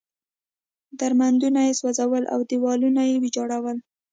درمندونه یې سوځول او دېوالونه یې ویجاړول.